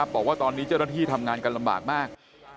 บอกว่าตอนนี้เจ้าหน้าที่ทำงานกันลำบากมาก